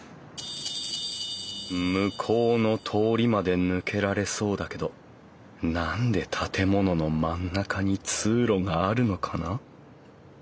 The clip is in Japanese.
向こうの通りまで抜けられそうだけど何で建物の真ん中に通路があるのかな？